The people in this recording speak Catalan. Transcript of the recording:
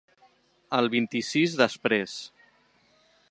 El vint-i-sis després.